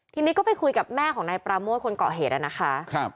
ทีนี้ก็ไปคุยกับแม่ของนายปราโมทคนเกาะเหตุนะคะ